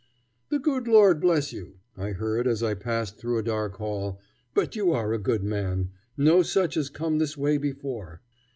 "The good Lord bless you," I heard as I passed through a dark hall, "but you are a good man. No such has come this way before."